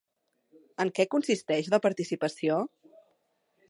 En què consisteix la participació?